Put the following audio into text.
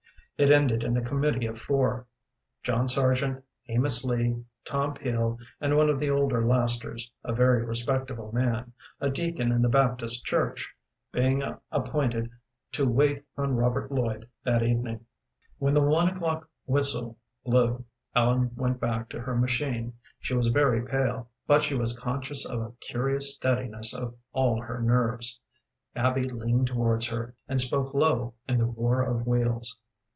It ended in a committee of four John Sargent, Amos Lee, Tom Peel, and one of the older lasters, a very respectable man, a deacon in the Baptist Church being appointed to wait on Robert Lloyd that evening. When the one o'clock whistle blew, Ellen went back to her machine. She was very pale, but she was conscious of a curious steadiness of all her nerves. Abby leaned towards her, and spoke low in the roar of wheels.